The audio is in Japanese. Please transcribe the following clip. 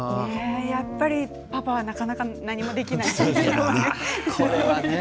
やっぱりパパはなかなか何もできないですね。